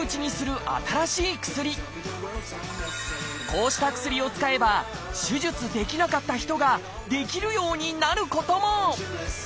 こうした薬を使えば手術できなかった人ができるようになることも！